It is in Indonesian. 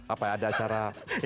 apa ya ada acara